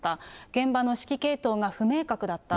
現場の指揮系統が不明確だった。